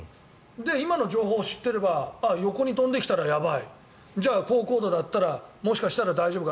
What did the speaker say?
今の情報を知っていれば横に飛んできたらやばいじゃあ、高高度だったらもしかしたら大丈夫か。